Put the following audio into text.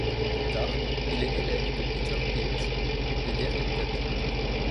Plus tard, il est élève de Peter Pears et d'Éric Tappy.